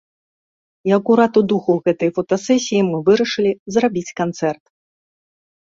І акурат у духу гэтай фотасесіі мы вырашылі зрабіць канцэрт.